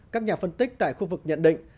các nhà phân tích tại khu vực nhận định